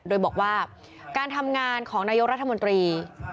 โดยบอกว่าการทำงานของนายกรัฐมนตรี